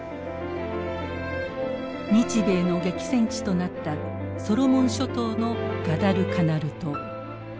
日米の激戦地となったソロモン諸島のガダルカナル島。